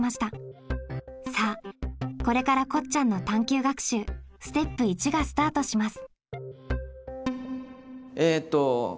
さあこれからこっちゃんの探究学習ステップ①がスタートします。